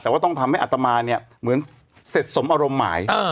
แต่ว่าต้องทำให้อัตมาเนี่ยเหมือนเสร็จสมอารมณ์หมาย